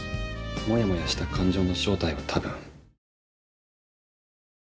もやもやした感情の正体は多分。